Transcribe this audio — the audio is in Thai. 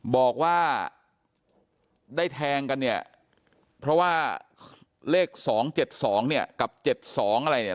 บอกว่าได้แทงกันเนี่ยเพราะว่าเลข๒๗๒เนี่ยกับ๗๒อะไรเนี่ย